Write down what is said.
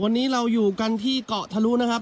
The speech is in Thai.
วันนี้เราอยู่กันที่เกาะทะลุนะครับ